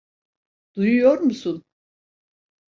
Duyuyor musun?